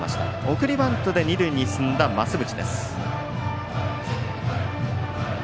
送りバントで二塁に進んだ増渕。